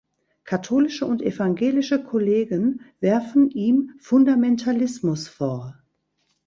Katholische und evangelische Kollegen werfen ihm Fundamentalismus vor.